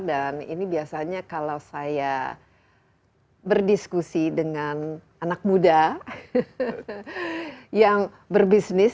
dan ini biasanya kalau saya berdiskusi dengan anak muda yang berbisnis